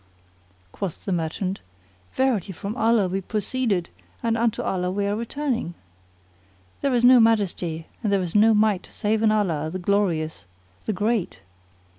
"[FN#40] Quoth the merchant, "Verily from Allah we proceeded and unto Allah are we returning. There is no Majesty, and there is no Might save in Allah, the Glorious, the Great!